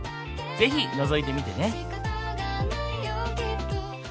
是非のぞいてみてね。